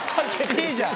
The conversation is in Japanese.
いいじゃん！